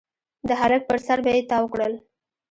د هلک پر سر به يې تاو کړل.